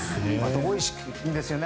おいしいんですよね